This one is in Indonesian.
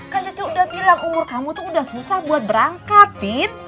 kan cecek udah bilang umur kamu tuh udah susah buat berangkat tin